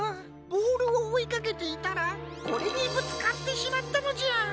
ボールをおいかけていたらこれにぶつかってしまったのじゃ。